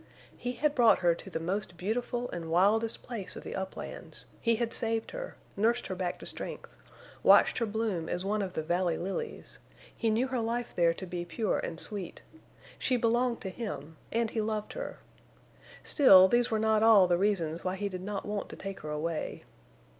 He had brought her to the most beautiful and wildest place of the uplands; he had saved her, nursed her back to strength, watched her bloom as one of the valley lilies; he knew her life there to be pure and sweet—she belonged to him, and he loved her. Still these were not all the reasons why he did not want to take her away.